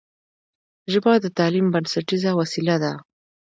ژبه د تعلیم بنسټیزه وسیله ده